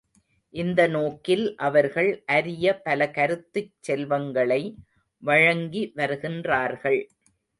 இந்த நோக்கில் அவர்கள் அரிய பல கருத்துச் செல்வங்களை வழங்கி வருகின்றார்கள்.